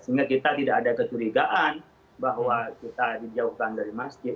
sehingga kita tidak ada kecurigaan bahwa kita dijauhkan dari masjid